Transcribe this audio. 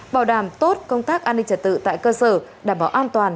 bảo đảm tốt công tác an ninh trật tự tại cơ sở đảm bảo an toàn